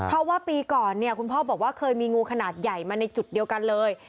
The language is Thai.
เพราะว่าปีก่อนเนี่ยคุณพ่อบอกว่าเคยมีงูขนาดใหญ่มาในจุดเดียวกันเลย